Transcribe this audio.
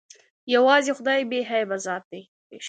يوازې خداى بې عيبه ذات ديه.